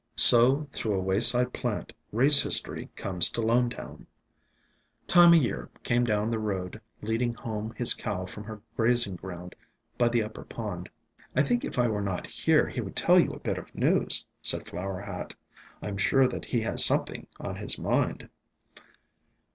So through a wayside plant race history comes to Lonetown." Time o' Year came down the road leading home his cow from her grazing ground by the upper pond. "I think if I were not here he would tell you a bit of news," said Flower Hat. "I 'm sure that he has something on his mind."